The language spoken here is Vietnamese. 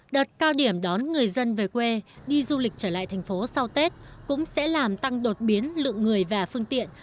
đợt cao điểm đón người dân về quê đi du lịch trở lại thành phố sau tết cũng sẽ làm tăng đột biến lượng người và phương tiện